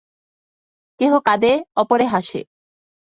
কেহ কাঁদে, অপরে হাসে।